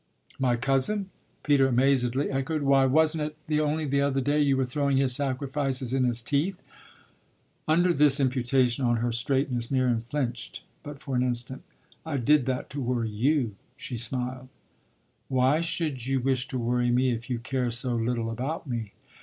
"My cousin?" Peter amazedly echoed. "Why, wasn't it only the other day you were throwing his sacrifices in his teeth?" Under this imputation on her straightness Miriam flinched but for an instant. "I did that to worry you," she smiled. "Why should you wish to worry me if you care so little about me?"